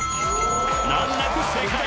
［難なく正解！］